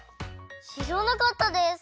しらなかったです！